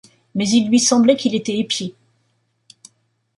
Mais il lui semblait qu’il était épié.